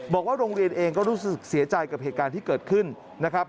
บอกว่าโรงเรียนเองก็รู้สึกเสียใจกับเหตุการณ์ที่เกิดขึ้นนะครับ